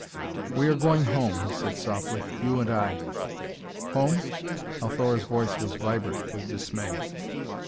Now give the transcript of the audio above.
"We are going home," he said softly, "you and I." "Home?" Althora's voice was vibrant with dismay.